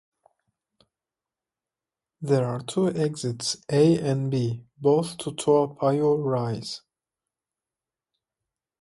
There are two exits, A and B, both to Toa Payoh Rise.